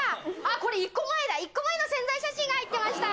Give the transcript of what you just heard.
これ一個前だ一個前の宣材写真が入ってました